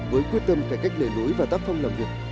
với quyết tâm cải cách lề lối và tác phong làm việc